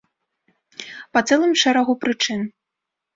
Па цэлым шэрагу прычын.